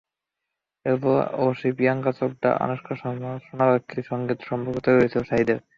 এরপর অবশ্য প্রিয়াঙ্কা চোপড়া, আনুশকা শর্মা, সোনাক্ষীর সঙ্গেও সম্পর্ক তৈরি হয়েছিল শহিদের।